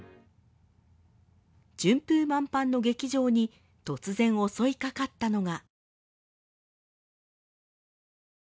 順風満帆の劇場に突然襲いかかったのが。